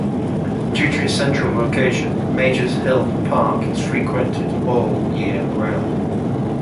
Due to its central location, Major's Hill Park is frequented all year round.